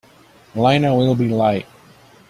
Elena will be late.